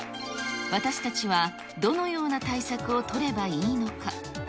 私たちはどのような対策を取ればいいのか。